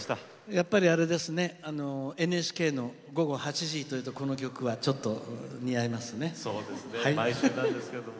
やっぱりＮＨＫの午後８時というとこの曲は似合いますね。